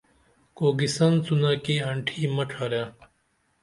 سُوئے ہوئے کتے کو ہڈی مت ڈالو